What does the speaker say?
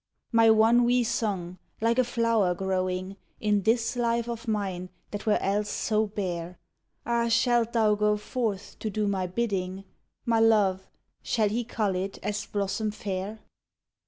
My one wee song, like a flower growing In this life of mine that were else so bare! Ah! shalt thou go forth to do my bidding My love, shall he cull it as blossom fair?